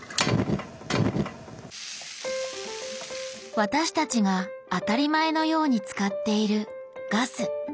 私たちが当たり前のように使っているガス。